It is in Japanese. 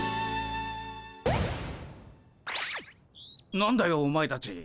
何だよお前たち。